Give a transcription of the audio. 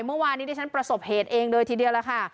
เมื่อวานนี้ที่ฉันประสบเหตุเองเลยทีเดียวล่ะค่ะ